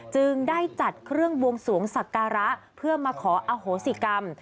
จึงได้จัดเครื่องบวงสวงศักระเพื่อมาขออโหสิกรรม